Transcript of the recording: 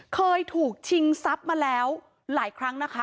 เคยถูกชิงทรัพย์มาแล้วหลายครั้งนะคะ